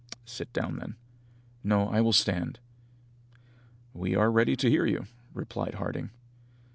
"Sit down, then." "No, I will stand." "We are ready to hear you," replied Harding.